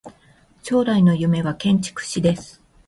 将来の夢は建築士です。